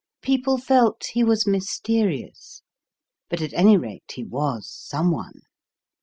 People felt he was mysterious, but at any rate he was Someone.